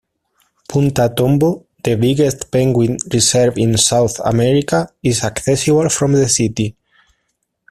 Punta Tombo, the biggest penguin reserve in South America, is accessible from the city.